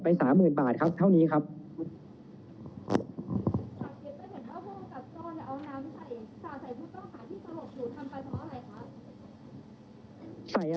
ก็ไม่รู้จะทำไงก็เลยบอกให้จำเนินการของคนสั่งเองครับ